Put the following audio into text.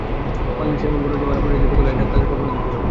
বাংলাদেশ এমন পরাজয়ের মালা পরিয়ে দেবে গলায়, এটা তাদের কল্পনাতেও ছিল না।